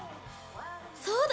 そうだ！